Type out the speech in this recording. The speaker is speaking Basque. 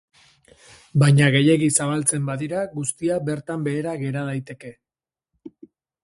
Baina gehiegi zabaltzen badira, guztia bertan behera gera daiteke.